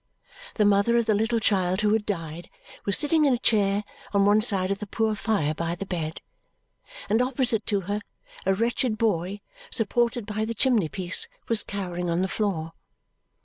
The mother of the little child who had died was sitting in a chair on one side of the poor fire by the bed; and opposite to her, a wretched boy, supported by the chimney piece, was cowering on the floor.